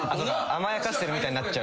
甘やかしてるみたいになっちゃう。